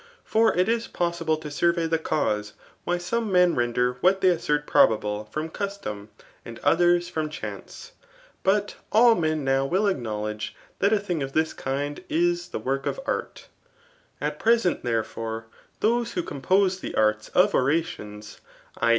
£0r it if possible to survey the cause why some men jfuder what they assert probable, from custom, and ctfiers from chance. But all men now will acknowledge that a thing of this kind is the work of art. . ArisL VOL. i. a 2 . THE ART OF tOOK 1. At present, therefitire^ thooe who oompoee tbe arts of oiatiDiis \i.